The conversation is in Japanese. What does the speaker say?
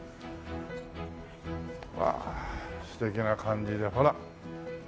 わあ素敵な感じでほら。